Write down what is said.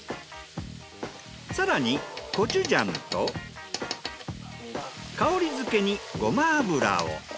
更にコチュジャンと香りづけにごま油を。